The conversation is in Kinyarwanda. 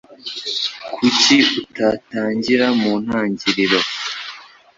Kuki utatangira mu ntangiriro